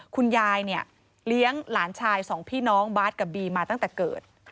คุณยายเนี่ยเลี้ยงหลานชายสองพี่น้องบาสกับบีมาตั้งแต่เกิด